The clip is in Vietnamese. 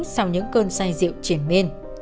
sau những cơn say diệu triển mên